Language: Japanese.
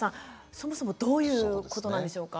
そもそもどういうことなんでしょうか？